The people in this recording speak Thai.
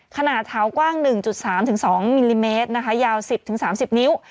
ขนาดเท้ากว้าง๑๓๒มิลลิเมตรนะคะยาว๑๐๓๐นิ้ว